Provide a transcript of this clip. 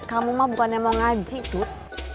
kamu mah bukannya mau ngaji tuh